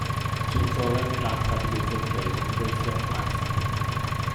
Dyw'r ddolen i'r ap ar Google Play ddim yn gweithio chwaith.